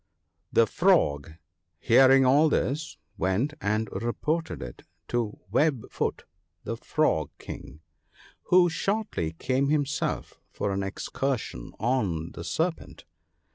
' The Frog, hearing all this, went and reported it to Web foot the Frog King, who shortly came himself for an excursion on the Serpent.